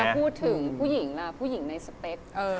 แล้วพูดถึงผู้หญิงแบบในสเต็ก